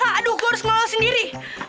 aduh gue harus malu sendiri